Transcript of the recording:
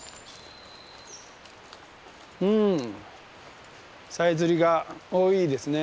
うんさえずりが多いですね。